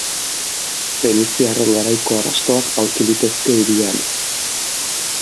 Feniziarren garaiko arrastoak aurki litezke hirian.